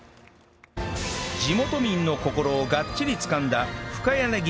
地元民の心をがっちりつかんだ深谷ねぎ